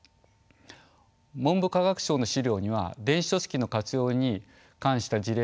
文部科学省の資料には電子書籍の活用に関した事例が紹介されています。